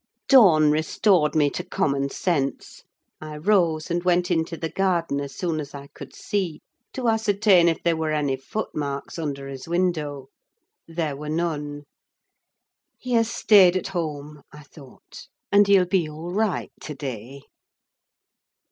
Dawn restored me to common sense. I rose, and went into the garden, as soon as I could see, to ascertain if there were any footmarks under his window. There were none. "He has stayed at home," I thought, "and he'll be all right to day."